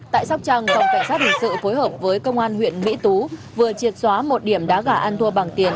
tại sóc trăng phòng cảnh sát hình sự phối hợp với công an huyện mỹ tú vừa triệt xóa một điểm đá gà ăn thua bằng tiền